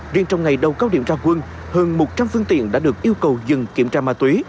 riêng trong ngày đầu cao điểm ra quân hơn một trăm linh phương tiện đã được yêu cầu dừng kiểm tra ma túy